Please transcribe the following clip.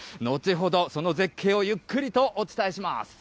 後ほど、その絶景をゆっくりとお伝えします。